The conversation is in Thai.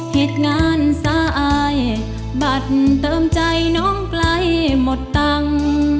เหตุงานสะอายบัตรเติมใจน้องใกล้หมดตังค์